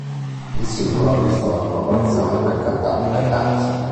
Il singolo ha visto la collaborazione del cantante Axel.